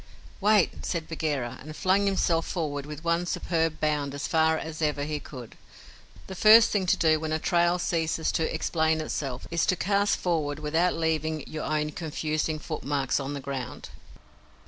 "Wait!" said Bagheera, and flung himself forward with one superb bound as far as ever he could. The first thing to do when a trail ceases to explain itself is to cast forward without leaving, your own confusing foot marks on the ground.